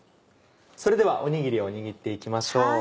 それではおにぎりを握って行きましょう。